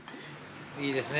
いいですね